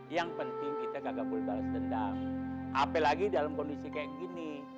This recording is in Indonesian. yang penting kita nggak boleh balas dendam apalagi dalam kondisi kayak gini